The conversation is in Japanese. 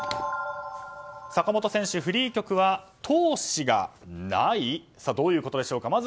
坂本選手、フリー曲は闘志がない？どういうことでしょうか。